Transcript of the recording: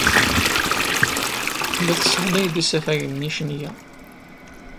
Tella tesseɣlay-d isafagen icenga.